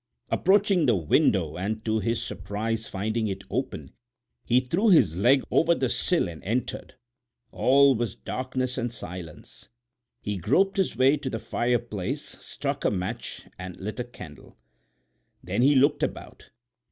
Approaching the window, and to his surprise finding it open, he threw his leg over the sill and entered. All was darkness and silence. He groped his way to the fire place, struck a match and lit a candle. Then he looked about.